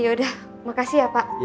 yaudah makasih ya pak